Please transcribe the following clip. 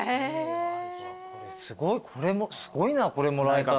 すごいなこれもらえたら。